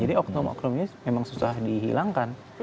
jadi oknum oknum ini memang susah dihilangkan